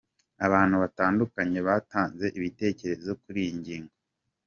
Abantu batandukanye batanze ibitekerezo kuri iyi ngingo.